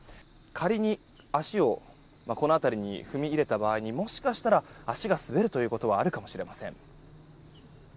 仮に、足をこの辺りに踏み入れた場合もしかしたら足が滑るということはあるかもしれません。